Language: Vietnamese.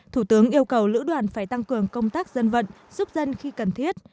thủ tướng yêu cầu lữ đoàn phải tăng cường công tác dân vận giúp dân khi cần thiết